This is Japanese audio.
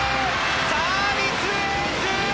サービスエース。